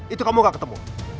itu kamu gak ketemu